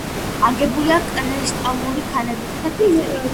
აგებულია კრისტალური ქანებითა და ფიქლებით.